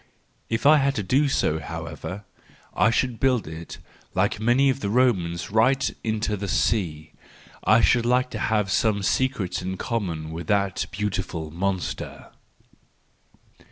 If I had to do so, however, I should build it, like many of the Romans, right 204 THE JOVFUL WISDOM, III into the sea,—I should like to have some secrets in common with that beautiful monster.